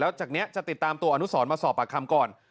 แล้วจากนี้จะติดตามตัวอนุสรมาสอบปากคำก่อน